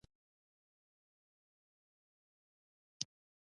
پاچا د ملک چارې په سمه توګه نه څاري .